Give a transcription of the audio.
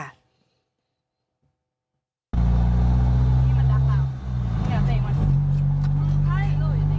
โทรศัพท์ที่ถ่ายคลิปสุดท้าย